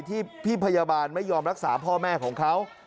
ที่พี่พยาบาลไม่ยอมรักษาพ่อแม่ของเขา